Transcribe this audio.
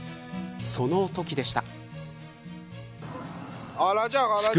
そのときでした。